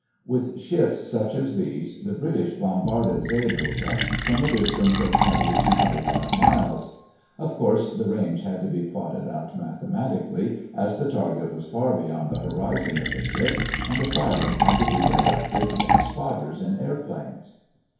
With ships such as these the British bombarded Zeebrugge from a distance of twenty to twenty five miles. Of course, the range had to be plotted out mathematically, as the target was far beyond the horizon of the ship, and the firing had to be directed by spotters in airplanes.